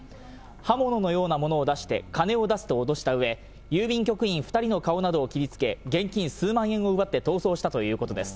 刃物のようなものを出して、金を出せと脅したうえ、郵便局員２人の顔などを切りつけ、現金数万円を奪って逃走したということです。